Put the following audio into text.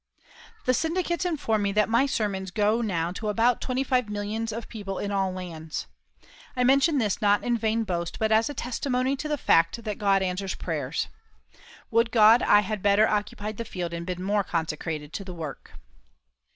The syndicates inform me that my sermons go now to about twenty five millions of people in all lands. I mention this not in vain boast, but as a testimony to the fact that God answers prayer. Would God I had better occupied the field and been more consecrated to the work!